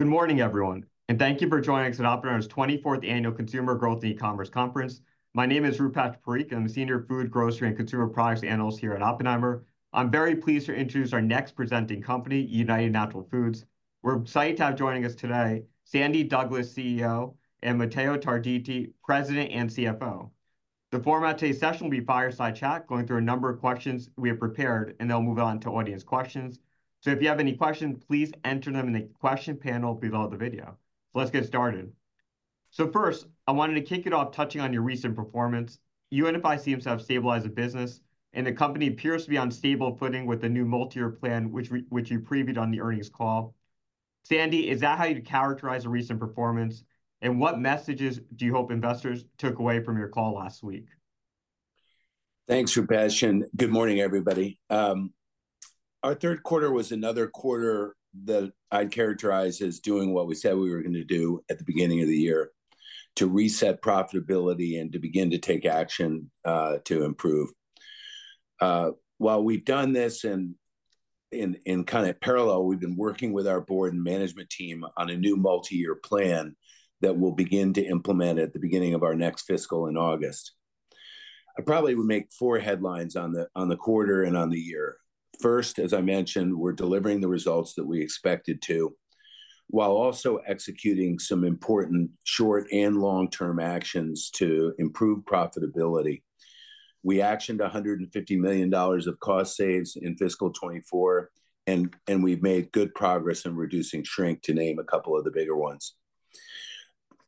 Good morning, everyone, and thank you for joining Oppenheimer's 24th Annual Consumer Growth and E-commerce Conference. My name is Rupesh Parikh, I'm the Senior Food, Grocery, and Consumer Products Analyst here at Oppenheimer. I'm very pleased to introduce our next presenting company, United Natural Foods. We're excited to have joining us today, Sandy Douglas, CEO, and Matteo Tarditi, President and CFO. The format today's session will be fireside chat, going through a number of questions we have prepared, and then we'll move on to audience questions. So if you have any questions, please enter them in the question panel below the video. So let's get started. So first, I wanted to kick it off touching on your recent performance. UNFI seems to have stabilized the business, and the company appears to be on stable footing with the new multi-year plan, which you previewed on the earnings call. Sandy, is that how you'd characterize the recent performance, and what messages do you hope investors took away from your call last week? Thanks, Rupesh, and good morning, everybody. Our third quarter was another quarter that I'd characterize as doing what we said we were gonna do at the beginning of the year: to reset profitability and to begin to take action to improve. While we've done this in kind of parallel, we've been working with our board and management team on a new multi-year plan that we'll begin to implement at the beginning of our next fiscal in August. I probably would make four headlines on the quarter and on the year. First, as I mentioned, we're delivering the results that we expected to, while also executing some important short and long-term actions to improve profitability. We actioned $150 million of cost saves in fiscal 2024, and we've made good progress in reducing shrink, to name a couple of the bigger ones.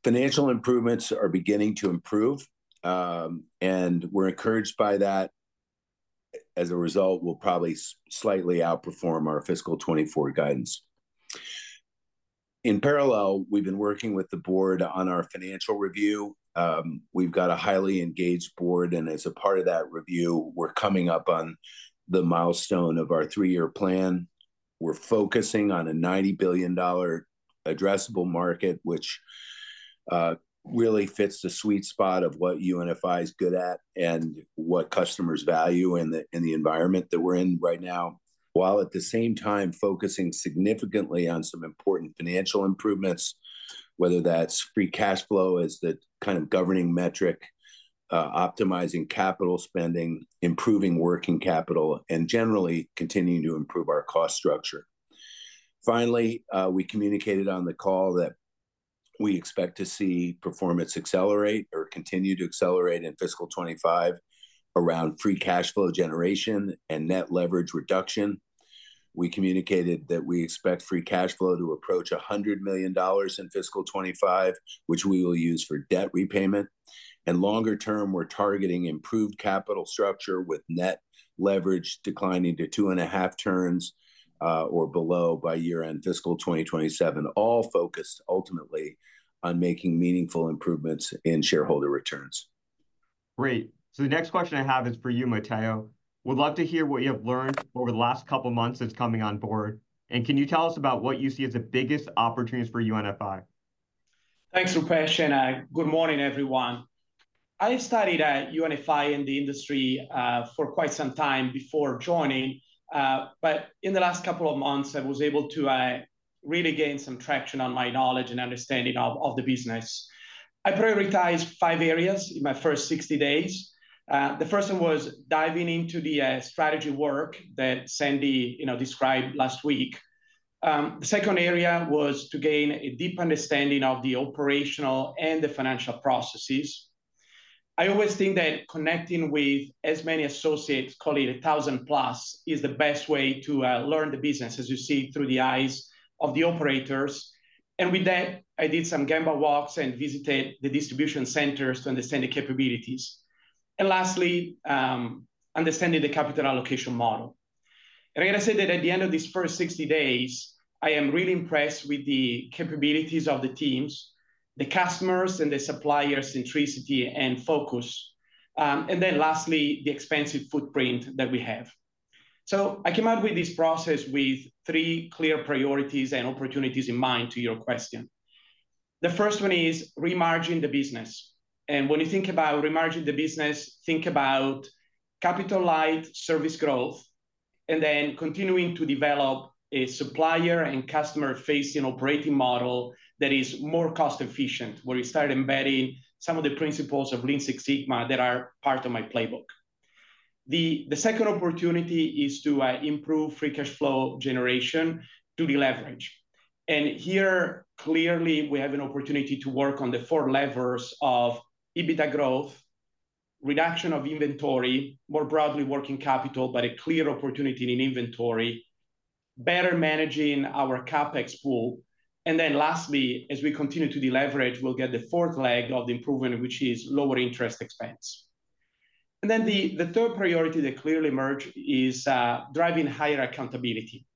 Financial improvements are beginning to improve, and we're encouraged by that. As a result, we'll probably slightly outperform our fiscal 2024 guidance. In parallel, we've been working with the board on our financial review. We've got a highly engaged board, and as a part of that review, we're coming up on the milestone of our three-year plan. We're focusing on a $90 billion addressable market, which really fits the sweet spot of what UNFI is good at and what customers value in the environment that we're in right now, while at the same time focusing significantly on some important financial improvements, whether that's free cash flow as the kind of governing metric, optimizing capital spending, improving working capital, and generally continuing to improve our cost structure. Finally, we communicated on the call that we expect to see performance accelerate or continue to accelerate in fiscal 2025 around free cash flow generation and net leverage reduction. We communicated that we expect free cash flow to approach $100 million in fiscal 2025, which we will use for debt repayment. Longer term, we're targeting improved capital structure with net leverage declining to 2.5 turns or below by year-end fiscal 2027, all focused ultimately on making meaningful improvements in shareholder returns. Great. So the next question I have is for you, Matteo. Would love to hear what you have learned over the last couple of months since coming on board, and can you tell us about what you see as the biggest opportunities for UNFI? Thanks, Rupesh, and good morning, everyone. I studied at UNFI in the industry for quite some time before joining, but in the last couple of months, I was able to really gain some traction on my knowledge and understanding of the business. I prioritized five areas in my first 60 days. The first one was diving into the strategy work that Sandy, you know, described last week. The second area was to gain a deep understanding of the operational and the financial processes. I always think that connecting with as many associates, call it 1,000 plus, is the best way to learn the business as you see it through the eyes of the operators. And with that, I did some Gemba walks and visited the distribution centers to understand the capabilities. And lastly, understanding the capital allocation model. And I gotta say that at the end of this first 60 days, I am really impressed with the capabilities of the teams, the customers and the supplier centricity and focus, and then lastly, the expansive footprint that we have. So I came up with this process with three clear priorities and opportunities in mind, to your question. The first one is remargining the business, and when you think about remargining the business, think about capital light service growth, and then continuing to develop a supplier and customer-facing operating model that is more cost efficient, where you start embedding some of the principles of Lean Six Sigma that are part of my playbook. The second opportunity is to improve Free Cash Flow generation to deleverage. Here, clearly, we have an opportunity to work on the four levers of EBITDA growth, reduction of inventory, more broadly working capital, but a clear opportunity in inventory, better managing our CapEx pool, and then lastly, as we continue to deleverage, we'll get the fourth leg of the improvement, which is lower interest expense. Then the third priority that clearly emerged is driving higher accountability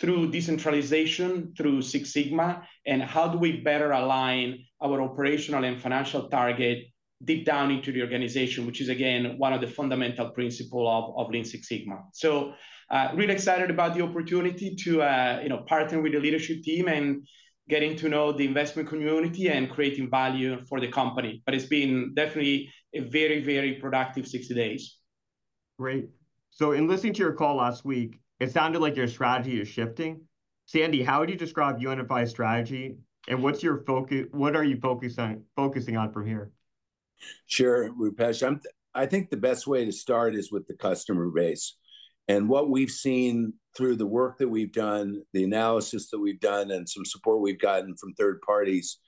through decentralization, through Six Sigma, and how do we better align our operational and financial target deep down into the organization, which is, again, one of the fundamental principle of Lean Six Sigma. So, really excited about the opportunity to, you know, partner with the leadership team and getting to know the investment community and creating value for the company, but it's been definitely a very, very productive 60 days.... Great. So in listening to your call last week, it sounded like your strategy is shifting. Sandy, how would you describe UNFI's strategy, and what's your focus - what are you focused on, focusing on from here? Sure, Rupesh. I think the best way to start is with the customer base. And what we've seen through the work that we've done, the analysis that we've done, and some support we've gotten from third parties,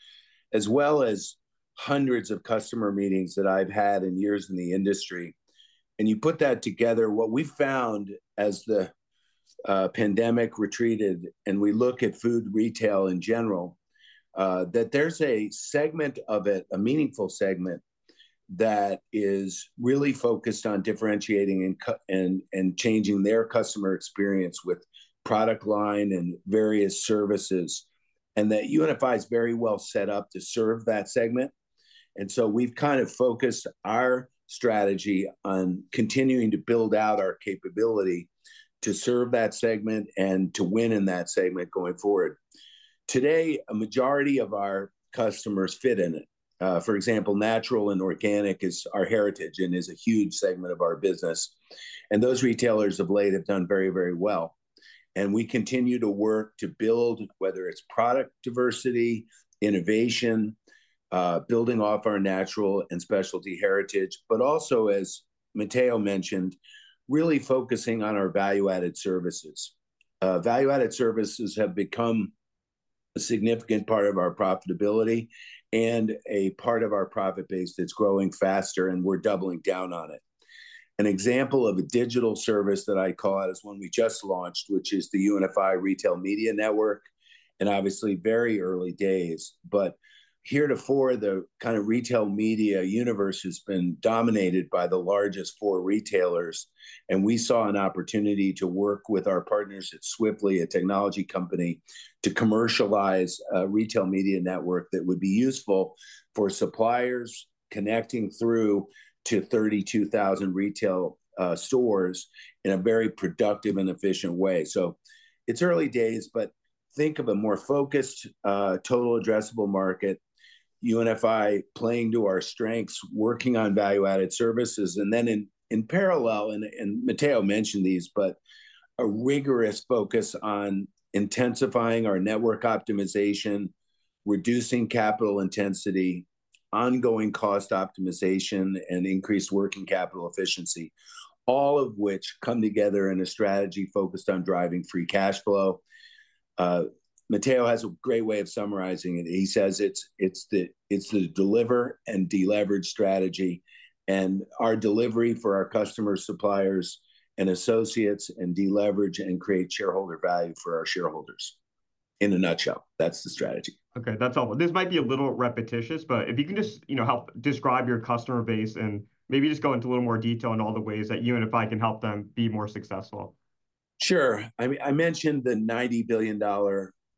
as well as hundreds of customer meetings that I've had in years in the industry, and you put that together, what we've found as the pandemic retreated, and we look at food retail in general, that there's a segment of it, a meaningful segment, that is really focused on differentiating and changing their customer experience with product line and various services, and that UNFI's very well set up to serve that segment. And so we've kind of focused our strategy on continuing to build out our capability to serve that segment and to win in that segment going forward. Today, a majority of our customers fit in it. For example, natural and organic is our heritage and is a huge segment of our business, and those retailers of late have done very, very well. And we continue to work to build, whether it's product diversity, innovation, building off our natural and specialty heritage, but also as Matteo mentioned, really focusing on our value-added services. Value-added services have become a significant part of our profitability and a part of our profit base that's growing faster, and we're doubling down on it. An example of a digital service that I call out is one we just launched, which is the UNFI Retail Media Network, and obviously, very early days. But heretofore, the kind of retail media universe has been dominated by the largest four retailers, and we saw an opportunity to work with our partners at Swiftly, a technology company, to commercialize a retail media network that would be useful for suppliers connecting through to 32,000 retail stores in a very productive and efficient way. So it's early days, but think of a more focused total addressable market, UNFI playing to our strengths, working on value-added services. And then in, in parallel, and, and Matteo mentioned these, but a rigorous focus on intensifying our network optimization, reducing capital intensity, ongoing cost optimization, and increased working capital efficiency, all of which come together in a strategy focused on driving free cash flow. Matteo has a great way of summarizing it. He says it's the deliver and deleverage strategy, and our delivery for our customer, suppliers, and associates, and deleverage and create shareholder value for our shareholders. In a nutshell, that's the strategy. Okay, that's all. This might be a little repetitious, but if you can just, you know, help describe your customer base and maybe just go into a little more detail on all the ways that UNFI can help them be more successful. Sure. I mean, I mentioned the $90 billion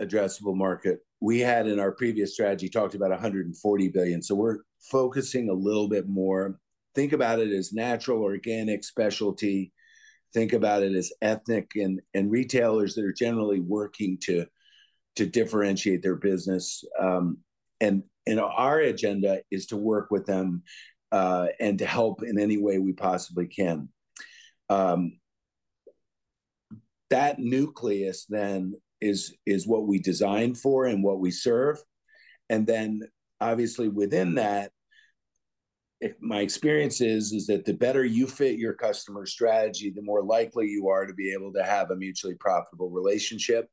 addressable market. We had in our previous strategy, talked about $140 billion, so we're focusing a little bit more. Think about it as natural, organic, specialty. Think about it as ethnic and retailers that are generally working to differentiate their business. Our agenda is to work with them and to help in any way we possibly can. That nucleus then is what we design for and what we serve, and then obviously within that, my experience is that the better you fit your customer strategy, the more likely you are to be able to have a mutually profitable relationship.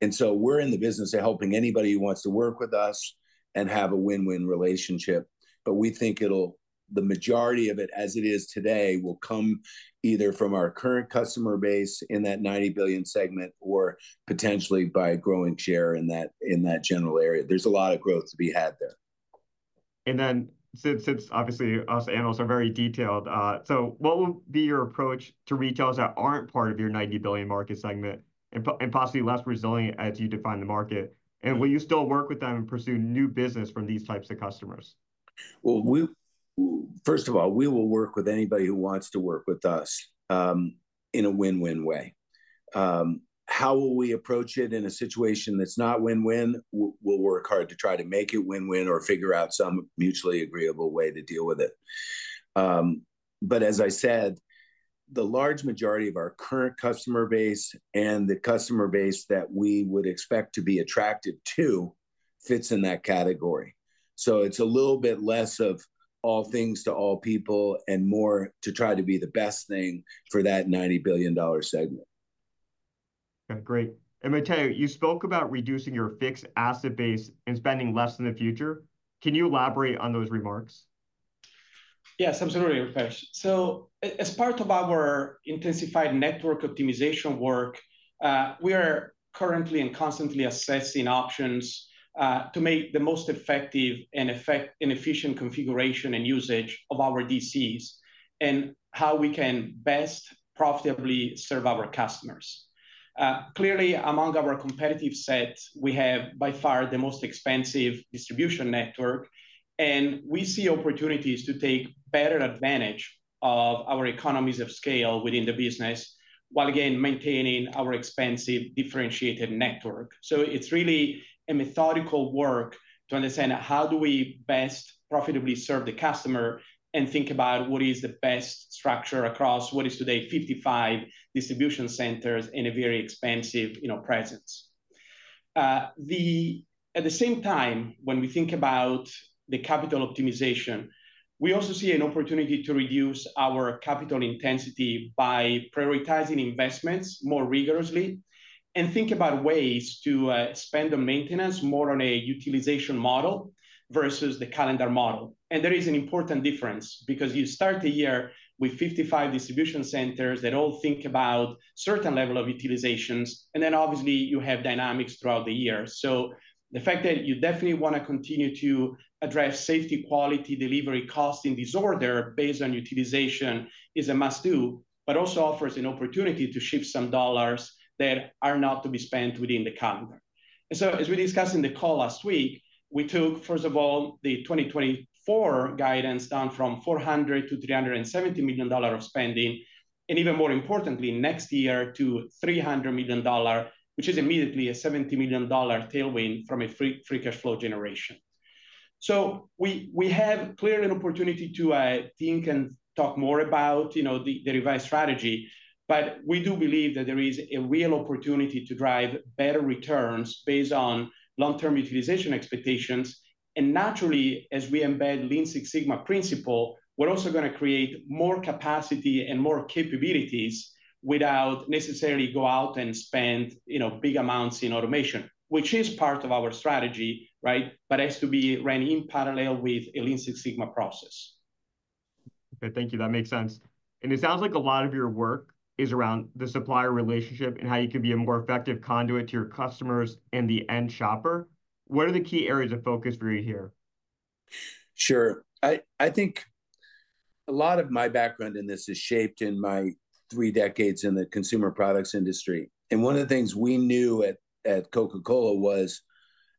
And so we're in the business of helping anybody who wants to work with us and have a win-win relationship. But we think it'll, the majority of it, as it is today, will come either from our current customer base in that $90 billion segment or potentially by growing share in that, in that general area. There's a lot of growth to be had there. Since obviously us analysts are very detailed, so what would be your approach to retailers that aren't part of your $90 billion market segment and possibly less resilient as you define the market? Will you still work with them and pursue new business from these types of customers? Well, first of all, we will work with anybody who wants to work with us in a win-win way. How will we approach it in a situation that's not win-win? We'll work hard to try to make it win-win or figure out some mutually agreeable way to deal with it. But as I said, the large majority of our current customer base and the customer base that we would expect to be attracted to fits in that category. So it's a little bit less of all things to all people and more to try to be the best thing for that $90 billion segment. Okay, great. Matteo, you spoke about reducing your fixed asset base and spending less in the future. Can you elaborate on those remarks? Yes, absolutely, Rupesh. So as part of our intensified network optimization work, we are currently and constantly assessing options to make the most effective and efficient configuration and usage of our DCs, and how we can best profitably serve our customers. Clearly, among our competitive set, we have by far the most expensive distribution network, and we see opportunities to take better advantage of our economies of scale within the business, while again, maintaining our expensive, differentiated network. So it's really a methodical work to understand how do we best profitably serve the customer and think about what is the best structure across what is today 55 distribution centers in a very expansive, you know, presence. At the same time, when we think about the capital optimization, we also see an opportunity to reduce our capital intensity by prioritizing investments more rigorously, and think about ways to spend the maintenance more on a utilization model versus the calendar model. There is an important difference, because you start the year with 55 distribution centers that all think about certain level of utilizations, and then obviously you have dynamics throughout the year. The fact that you definitely wanna continue to address safety, quality, delivery, cost, and order based on utilization is a must-do, but also offers an opportunity to shift some dollars that are not to be spent within the calendar. As we discussed in the call last week, we took, first of all, the 2024 guidance down from $400 million to $370 million of spending, and even more importantly, next year to $300 million, which is immediately a $70 million tailwind from a free, free cash flow generation. So we, we have clearly an opportunity to think and talk more about, you know, the, the revised strategy, but we do believe that there is a real opportunity to drive better returns based on long-term utilization expectations. And naturally, as we embed Lean Six Sigma principle, we're also gonna create more capacity and more capabilities without necessarily go out and spend, you know, big amounts in automation, which is part of our strategy, right? But has to be ran in parallel with a Lean Six Sigma process. Okay, thank you. That makes sense. It sounds like a lot of your work is around the supplier relationship and how you can be a more effective conduit to your customers and the end shopper. What are the key areas of focus for you here? Sure. I think a lot of my background in this is shaped in my three decades in the consumer products industry. One of the things we knew at Coca-Cola was,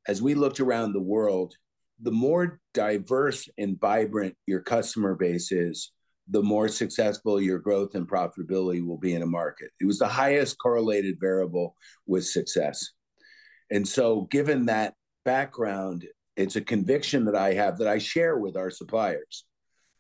as we looked around the world, the more diverse and vibrant your customer base is, the more successful your growth and profitability will be in a market. It was the highest correlated variable with success. So given that background, it's a conviction that I have, that I share with our suppliers,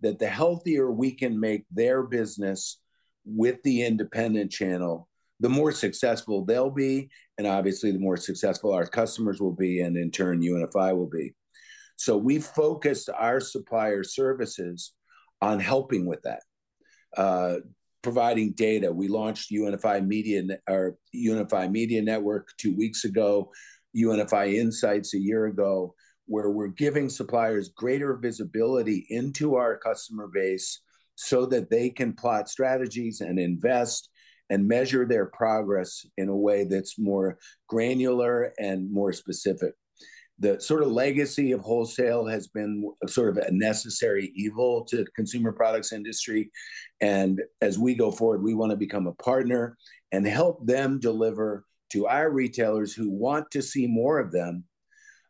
that the healthier we can make their business with the independent channel, the more successful they'll be, and obviously, the more successful our customers will be, and in turn, UNFI will be. So we've focused our supplier services on helping with that, providing data. We launched UNFI Media, or UNFI Media Network two weeks ago, UNFI Insights a year ago, where we're giving suppliers greater visibility into our customer base so that they can plot strategies and invest and measure their progress in a way that's more granular and more specific. The sort of legacy of wholesale has been sort of a necessary evil to the consumer products industry. And as we go forward, we wanna become a partner and help them deliver to our retailers who want to see more of them,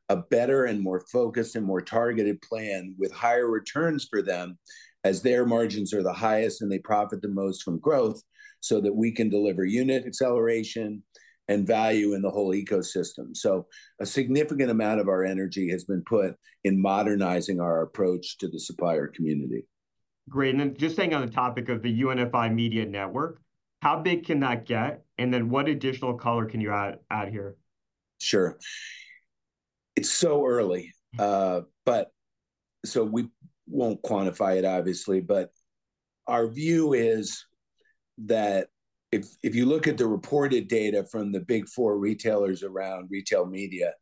a better and more focused and more targeted plan with higher returns for them, as their margins are the highest and they profit the most from growth, so that we can deliver unit acceleration and value in the whole ecosystem. So a significant amount of our energy has been put in modernizing our approach to the supplier community. Great. And then just staying on the topic of the UNFI Media Network, how big can that get? And then what additional color can you add here? Sure. It's so early, but... So we won't quantify it, obviously, but our view is that if you look at the reported data from the big four retailers around retail media,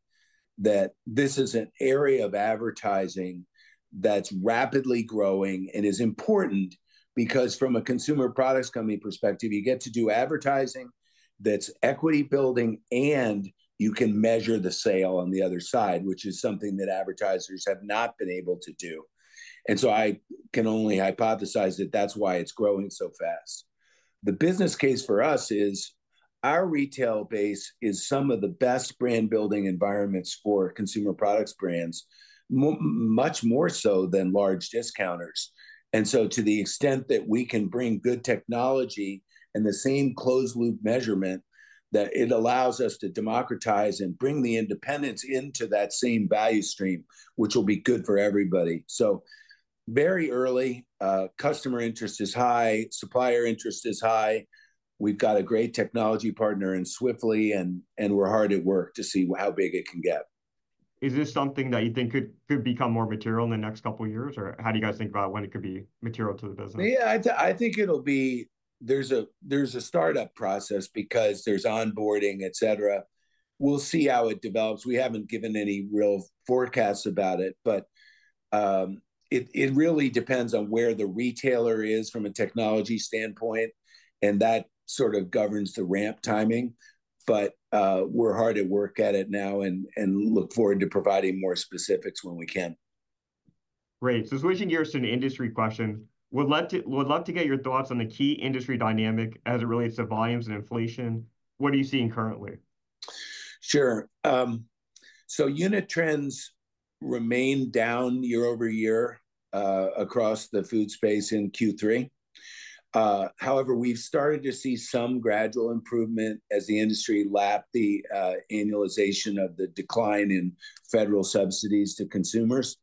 that this is an area of advertising that's rapidly growing and is important. Because from a consumer products company perspective, you get to do advertising that's equity building, and you can measure the sale on the other side, which is something that advertisers have not been able to do. And so I can only hypothesize that that's why it's growing so fast. The business case for us is, our retail base is some of the best brand-building environments for consumer products brands, much more so than large discounters. And so to the extent that we can bring good technology and the same closed-loop measurement, that it allows us to democratize and bring the independents into that same value stream, which will be good for everybody. So very early, customer interest is high, supplier interest is high. We've got a great technology partner in Swiftly, and we're hard at work to see how big it can get. Is this something that you think could become more material in the next couple of years? Or how do you guys think about when it could be material to the business? Yeah, I think it'll be... There's a startup process because there's onboarding, et cetera. We'll see how it develops. We haven't given any real forecasts about it, but it really depends on where the retailer is from a technology standpoint, and that sort of governs the ramp timing. But we're hard at work at it now, and look forward to providing more specifics when we can. Great. So switching gears to an industry question. Would love to get your thoughts on the key industry dynamic as it relates to volumes and inflation. What are you seeing currently? Sure. So unit trends remained down year-over-year across the food space in Q3. However, we've started to see some gradual improvement as the industry lapped the annualization of the decline in federal subsidies to consumers...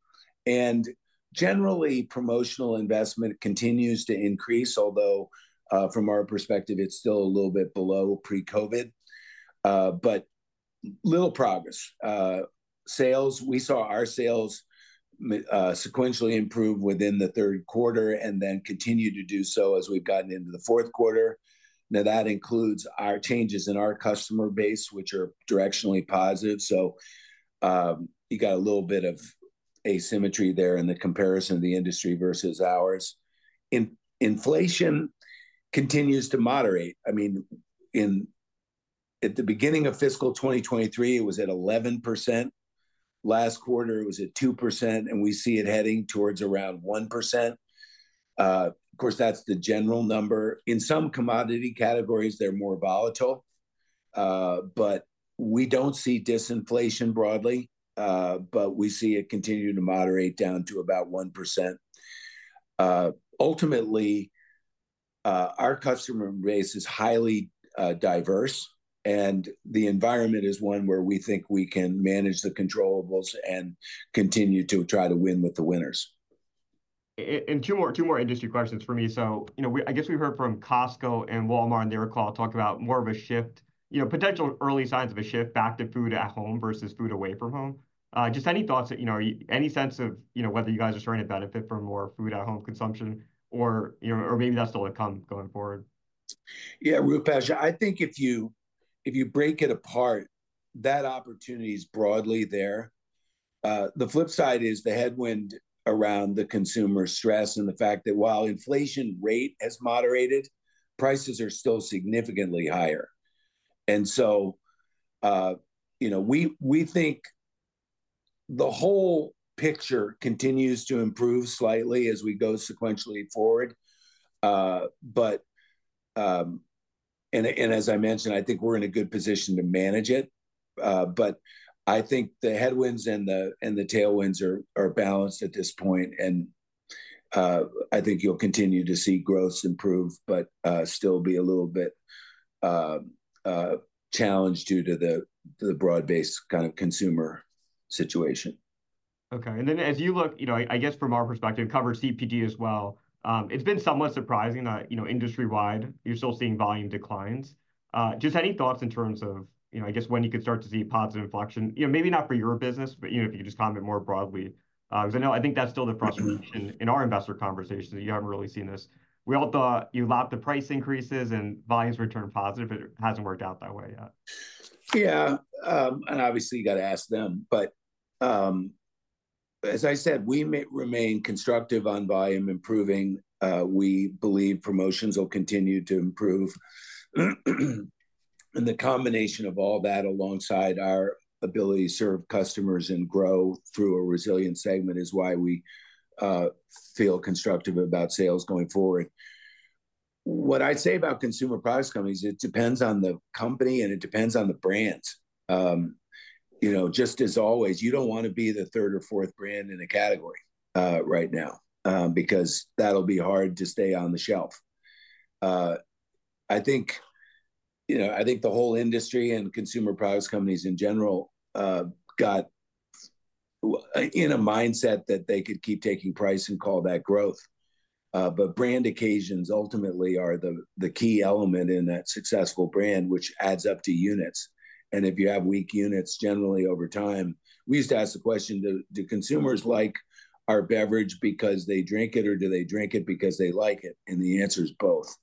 and generally, promotional investment continues to increase, although from our perspective, it's still a little bit below pre-COVID. But little progress. Sales, we saw our sales sequentially improve within the third quarter, and then continue to do so as we've gotten into the fourth quarter. Now, that includes our changes in our customer base, which are directionally positive, so you got a little bit of asymmetry there in the comparison of the industry versus ours. Inflation continues to moderate. I mean, at the beginning of fiscal 2023, it was at 11%. Last quarter, it was at 2%, and we see it heading towards around 1%. Of course, that's the general number. In some commodity categories, they're more volatile. But we don't see disinflation broadly, but we see it continuing to moderate down to about 1%. Ultimately, our customer base is highly diverse, and the environment is one where we think we can manage the controllables and continue to try to win with the winners. And two more, two more industry questions for me. So, you know, I guess we heard from Costco and Walmart in their call talk about more of a shift... you know, potential early signs of a shift back to food at home versus food away from home. Just any thoughts that, you know, or any sense of, you know, whether you guys are starting to benefit from more food at home consumption or, you know, or maybe that's still to come going forward? Yeah, Rupesh, I think if you break it apart, that opportunity is broadly there. The flip side is the headwind around the consumer stress and the fact that while inflation rate has moderated, prices are still significantly higher. And so, you know, we think the whole picture continues to improve slightly as we go sequentially forward. But as I mentioned, I think we're in a good position to manage it. But I think the headwinds and the tailwinds are balanced at this point, and I think you'll continue to see growth improve, but still be a little bit challenged due to the broad-based kind of consumer situation. Okay, and then as you look, you know, I guess from our perspective, cover CPG as well, it's been somewhat surprising that, you know, industry-wide, you're still seeing volume declines. Just any thoughts in terms of, you know, I guess when you could start to see positive inflection? You know, maybe not for your business, but, you know, if you could just comment more broadly. Because I know I think that's still the frustration in our investor conversations, that you haven't really seen this. We all thought you lapped the price increases and volumes return positive, but it hasn't worked out that way yet. Yeah. And obviously, you gotta ask them. But, as I said, we remain constructive on volume improving. We believe promotions will continue to improve. And the combination of all that alongside our ability to serve customers and grow through a resilient segment is why we feel constructive about sales going forward. What I'd say about consumer products companies, it depends on the company, and it depends on the brands. You know, just as always, you don't wanna be the third or fourth brand in a category, right now, because that'll be hard to stay on the shelf. I think, you know, I think the whole industry and consumer products companies in general got in a mindset that they could keep taking price and call that growth. But brand occasions ultimately are the key element in that successful brand, which adds up to units. And if you have weak units, generally over time... We used to ask the question, "Do consumers like our beverage because they drink it, or do they drink it because they like it?" And the answer is both.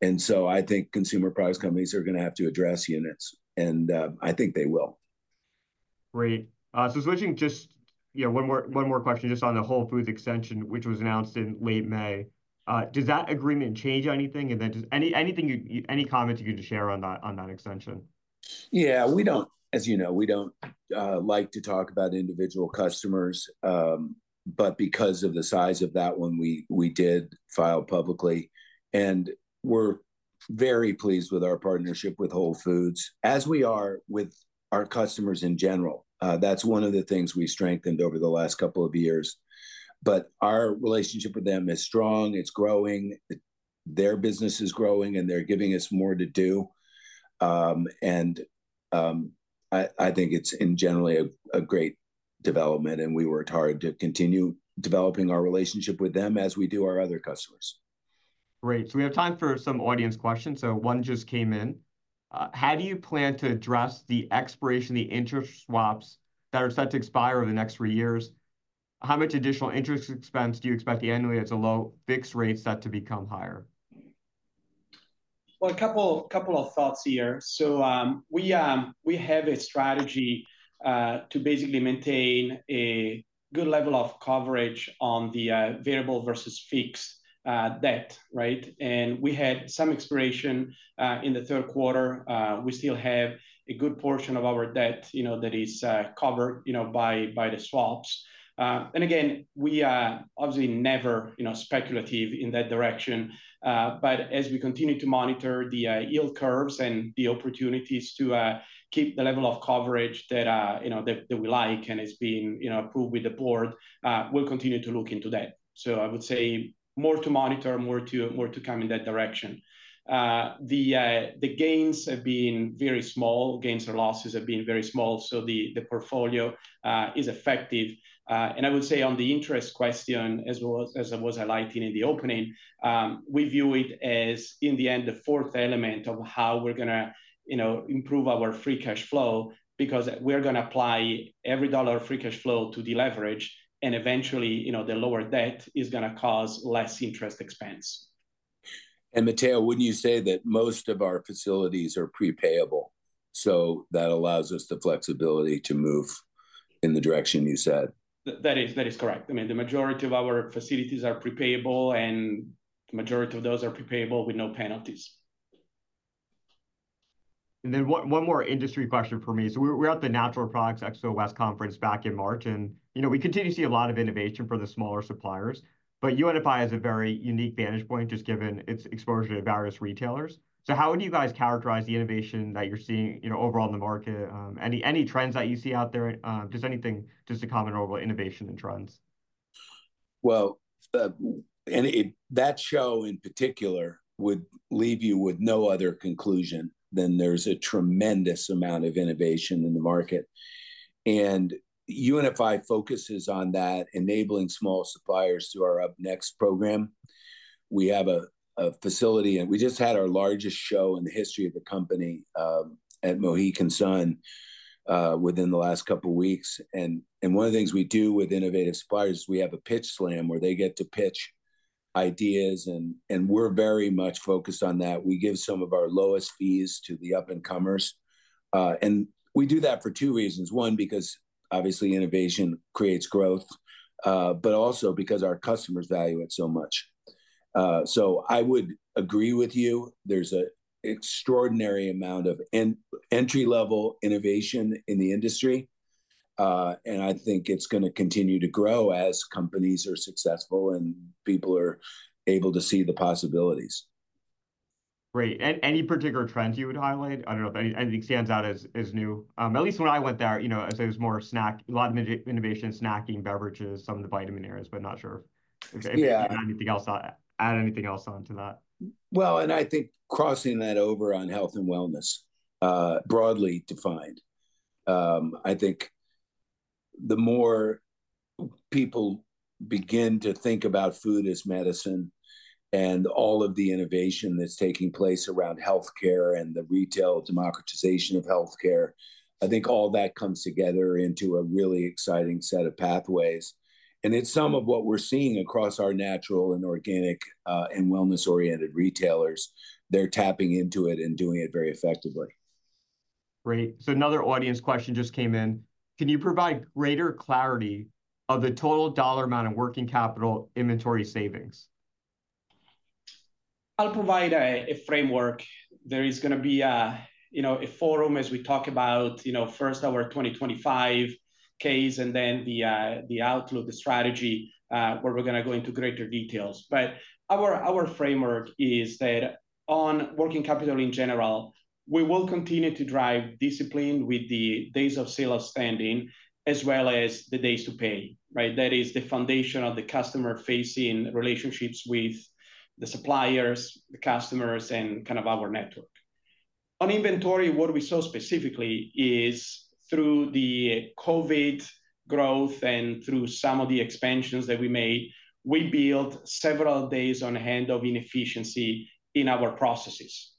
And so I think consumer products companies are gonna have to address units, and I think they will. Great. So switching just, you know, one more, one more question just on the Whole Foods extension, which was announced in late May. Does that agreement change anything? And then just anything you... any comment you could share on that, on that extension? Yeah, we don't. As you know, we don't like to talk about individual customers, but because of the size of that one, we did file publicly, and we're very pleased with our partnership with Whole Foods, as we are with our customers in general. That's one of the things we strengthened over the last couple of years. But our relationship with them is strong, it's growing, their business is growing, and they're giving us more to do. And I think it's generally a great development, and we worked hard to continue developing our relationship with them as we do our other customers. Great. So we have time for some audience questions, so one just came in: "How do you plan to address the expiration, the interest swaps that are set to expire over the next three years? How much additional interest expense do you expect annually as a low fixed rate set to become higher? Well, a couple of thoughts here. So, we have a strategy to basically maintain a good level of coverage on the variable versus fixed debt, right? And we had some expiration in the third quarter. We still have a good portion of our debt, you know, that is covered, you know, by the swaps. And again, we are obviously never, you know, speculative in that direction, but as we continue to monitor the yield curves and the opportunities to keep the level of coverage that, you know, that we like, and it's been, you know, approved with the board, we'll continue to look into that. So I would say more to monitor, more to come in that direction. The gains have been very small. Gains or losses have been very small, so the portfolio is effective. And I would say on the interest question, as well as, as I was highlighting in the opening, we view it as, in the end, the fourth element of how we're gonna, you know, improve our free cash flow, because we're gonna apply every dollar of free cash flow to deleverage, and eventually, you know, the lower debt is gonna cause less interest expense.... And Matteo, wouldn't you say that most of our facilities are prepayable, so that allows us the flexibility to move in the direction you said? That is, that is correct. I mean, the majority of our facilities are prepayable, and the majority of those are prepayable with no penalties. And then one more industry question for me. So we were at the Natural Products Expo West conference back in March, and, you know, we continue to see a lot of innovation for the smaller suppliers. But UNFI has a very unique vantage point, just given its exposure to various retailers. So how would you guys characterize the innovation that you're seeing, you know, overall in the market? Any trends that you see out there? Just anything, just to comment overall innovation and trends. Well, that show in particular would leave you with no other conclusion than there's a tremendous amount of innovation in the market. And UNFI focuses on that, enabling small suppliers through our UpNext program. We have a facility, and we just had our largest show in the history of the company, at Mohegan Sun, within the last couple weeks. And one of the things we do with innovative suppliers is we have a Pitch Slam, where they get to pitch ideas, and we're very much focused on that. We give some of our lowest fees to the up-and-comers. And we do that for two reasons: one, because obviously innovation creates growth, but also because our customers value it so much. So I would agree with you. There's an extraordinary amount of entry-level innovation in the industry. I think it's gonna continue to grow as companies are successful and people are able to see the possibilities. Great. Any particular trends you would highlight? I don't know if anything stands out as, as new. At least when I went there, you know, I'd say it was more snacking. A lot of innovation in snacking, beverages, some of the vitamin areas, but not sure if- Yeah - anything else, add anything else onto that. Well, I think crossing that over on health and wellness, broadly defined. I think the more people begin to think about food as medicine and all of the innovation that's taking place around healthcare and the retail democratization of healthcare, I think all that comes together into a really exciting set of pathways. And it's some of what we're seeing across our natural and organic, and wellness-oriented retailers. They're tapping into it and doing it very effectively. Great. So another audience question just came in: "Can you provide greater clarity of the total dollar amount of working capital inventory savings? I'll provide a framework. There is gonna be a, you know, a forum as we talk about, you know, first our 2025 case, and then the the outlook, the strategy, where we're gonna go into greater details. But our, our framework is that on working capital in general, we will continue to drive discipline with the days of sale outstanding, as well as the days to pay, right? That is the foundation of the customer-facing relationships with the suppliers, the customers, and kind of our network. On inventory, what we saw specifically is through the COVID growth and through some of the expansions that we made, we built several days on hand of inefficiency in our processes.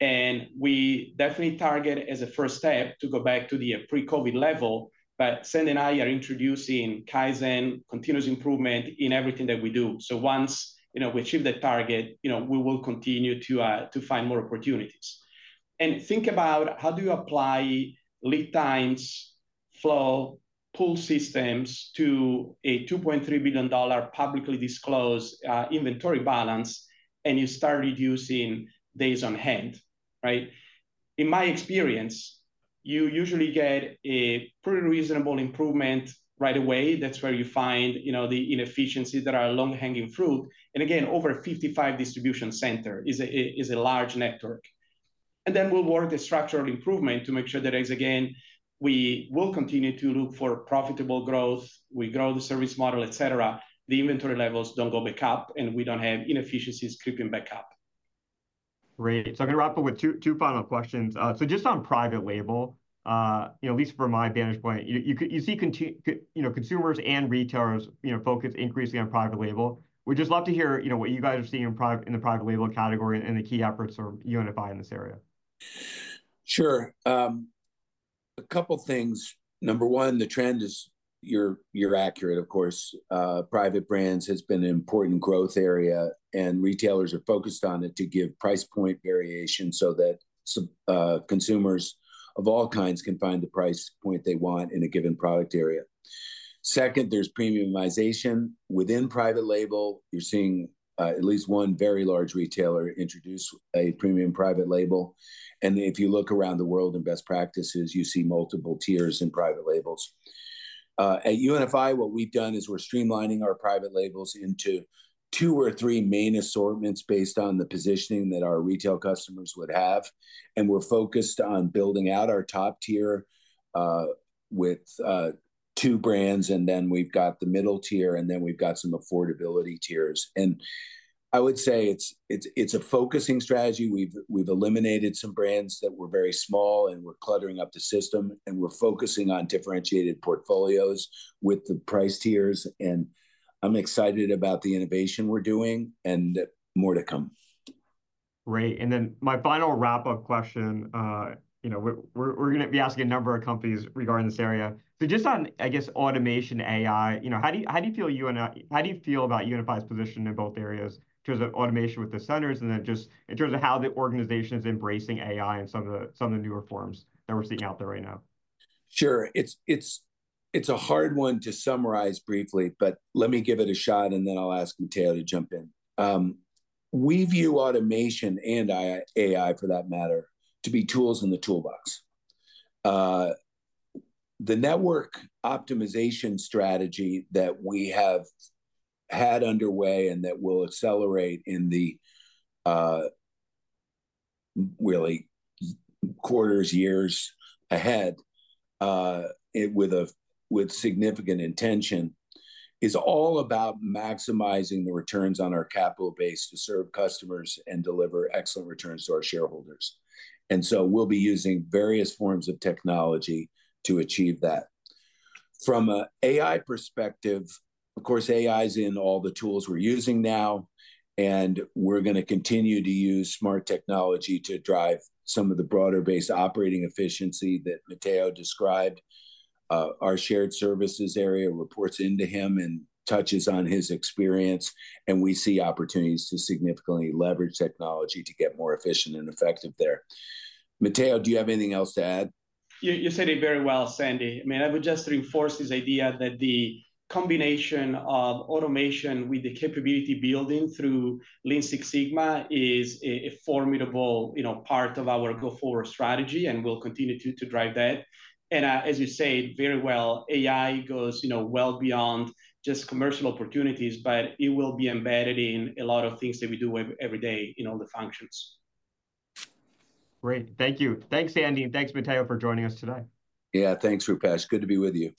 And we definitely target as a first step to go back to the pre-COVID level, but Sean and I are introducing Kaizen continuous improvement in everything that we do. So once, you know, we achieve that target, you know, we will continue to find more opportunities. Think about how do you apply lead times, flow, pull systems to a $2.3 billion publicly disclosed inventory balance, and you start reducing days on hand, right? In my experience, you usually get a pretty reasonable improvement right away. That's where you find, you know, the inefficiencies that are low-hanging fruit. And again, over 55 distribution centers is a large network. Then we'll work the structural improvement to make sure that as again, we will continue to look for profitable growth, we grow the service model, et cetera, the inventory levels don't go back up, and we don't have inefficiencies creeping back up. Great. So I'm gonna wrap up with two final questions. So just on private label, you know, at least from my vantage point, you see continuing consumers and retailers, you know, focus increasingly on private label. We'd just love to hear, you know, what you guys are seeing in the private label category and the key efforts of UNFI in this area. Sure. A couple things. Number one, the trend is... You're accurate, of course. Private brands has been an important growth area, and retailers are focused on it to give price point variation so that some consumers of all kinds can find the price point they want in a given product area. Second, there's premiumization. Within private label, you're seeing at least one very large retailer introduce a premium private label. And if you look around the world in best practices, you see multiple tiers in private labels. At UNFI, what we've done is we're streamlining our private labels into two or three main assortments based on the positioning that our retail customers would have, and we're focused on building out our top tier with two brands, and then we've got the middle tier, and then we've got some affordability tiers. I would say it's a focusing strategy. We've eliminated some brands that were very small and were cluttering up the system, and we're focusing on differentiated portfolios with the price tiers. And I'm excited about the innovation we're doing, and more to come.... Great, and then my final wrap-up question, you know, we're gonna be asking a number of companies regarding this area. So just on, I guess, automation, AI, you know, how do you feel about UNFI's position in both areas in terms of automation with the centers, and then just in terms of how the organization's embracing AI and some of the newer forms that we're seeing out there right now? Sure. It's a hard one to summarize briefly, but let me give it a shot, and then I'll ask Matteo to jump in. We view automation, and AI for that matter, to be tools in the toolbox. The network optimization strategy that we have had underway and that will accelerate in the really quarters, years ahead, with significant intention, is all about maximizing the returns on our capital base to serve customers and deliver excellent returns to our shareholders. And so we'll be using various forms of technology to achieve that. From an AI perspective, of course, AI's in all the tools we're using now, and we're gonna continue to use smart technology to drive some of the broader base operating efficiency that Matteo described. Our shared services area reports into him and touches on his experience, and we see opportunities to significantly leverage technology to get more efficient and effective there. Matteo, do you have anything else to add? You said it very well, Sandy. I mean, I would just reinforce this idea that the combination of automation with the capability building through Lean Six Sigma is a formidable, you know, part of our go-forward strategy, and we'll continue to drive that. And as you said very well, AI goes, you know, well beyond just commercial opportunities, but it will be embedded in a lot of things that we do every day in all the functions. Great. Thank you. Thanks, Sandy, and thanks, Matteo, for joining us today. Yeah, thanks, Rupesh. Good to be with you.